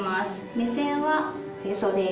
目線はおへそです。